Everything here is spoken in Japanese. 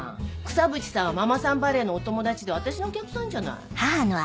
草渕さんはママさんバレーのお友達で私のお客さんじゃない。